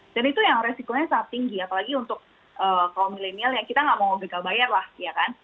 itu yang resikonya sangat tinggi apalagi untuk kaum milenial yang kita nggak mau gagal bayar lah ya kan